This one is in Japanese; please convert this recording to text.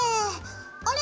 あれ？